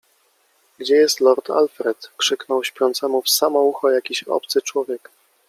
- Gdzie jest lord Alfred? - krzyknął śpiącemu w samo ucho jakiś obcy człowiek